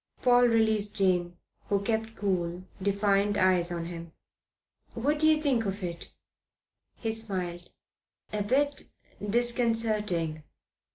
Paul released Jane, who kept cool, defiant eyes on him. "What do you think of it?" He smiled. "A bit disconcerting."